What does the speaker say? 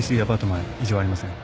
前異常ありません。